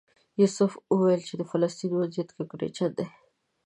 یوسف وویل چې د فلسطین وضعیت کړکېچن دی.